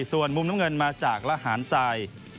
ส่วนมุมน้ำเงินมาจากระหารทราย